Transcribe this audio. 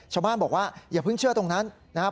ชาวบ้านบอกว่าอย่าเพิ่งเชื่อตรงนั้นนะครับ